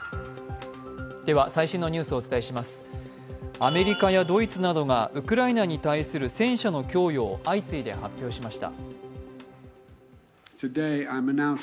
アメリカやドイツなどがウクライナに対する戦車の供与を相次いで発表しました。